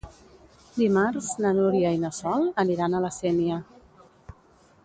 Dimarts na Núria i na Sol aniran a la Sénia.